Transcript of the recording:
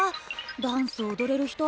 ダンス踊れる人